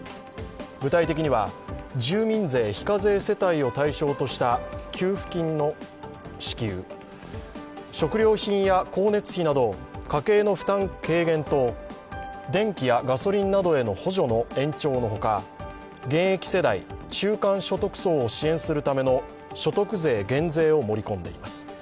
具体的には住民税非課税世帯を対象とした給付金の支給、食料品や光熱費など家計負担軽減と電気やガソリンなどへの補助の延長のほか現役世代・中間所得層を支援するための所得税減税を盛り込んでいます。